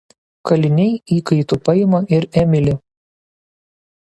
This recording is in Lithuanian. Kaliniai įkaitu paima ir Emili.